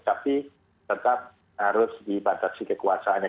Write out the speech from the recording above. tapi tetap harus dibatasi kekuasaannya